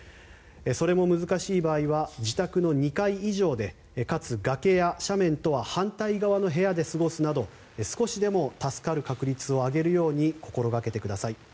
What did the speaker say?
それも難しい場合は自宅の２階以上でかつ崖や斜面とは反対側の部屋で過ごすなど、少しでも助かる確率を上げるように心がけてください。